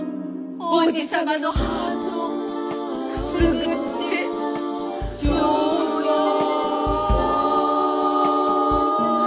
王子様のハートをくすぐってちょうだい。